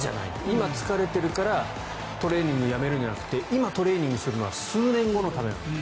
今疲れているからトレーニングをやめるんじゃなくて今、トレーニングをやめるのは数年後のためなんだと。